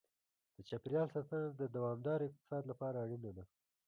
د چاپېریال ساتنه د دوامدار اقتصاد لپاره اړینه ده.